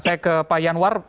saya ke pak yanwar